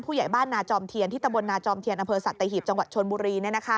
ผู้ใหญ่บ้านนาจอมเทียนที่ตำบลนาจอมเทียนอำเภอสัตหีบจังหวัดชนบุรี